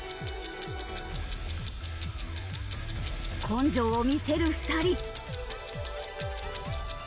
根性を見せる２人。